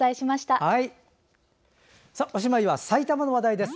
おしまいは埼玉の話題です。